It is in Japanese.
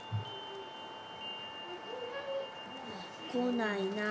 「こないなあ。